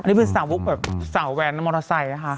อันนี้คือสาวแวนมอเตอร์ไซค์ค่ะ